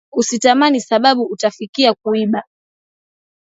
Usi tamani sababu uta fikia kuiba